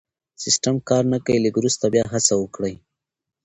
سيسټم کار نه کوي لږ وروسته بیا هڅه وکړئ